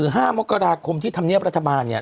ห้ามกราคมที่ธรรมเนียบรัฐบาลเนี่ย